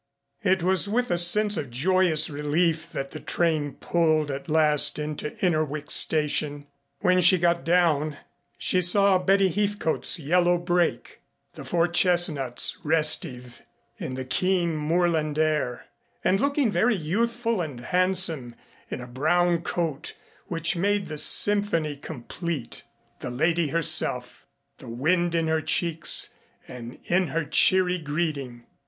It was with a sense of joyous relief that the train pulled at last into Innerwick Station. When she got down she saw Betty Heathcote's yellow brake, the four chestnuts restive in the keen moorland air, and looking very youthful and handsome in a brown coat which made the symphony complete, the lady herself, the wind in her cheeks and in her cheery greeting.